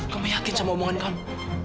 kamu yakin sama omongan kamu